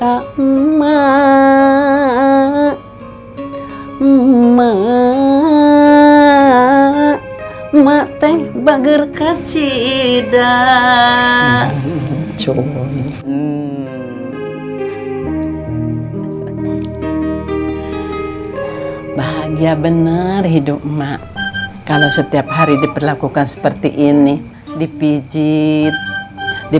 aku pengen nyanyi